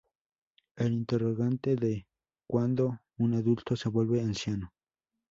El interrogante de "¿cuándo un adulto se vuelve anciano?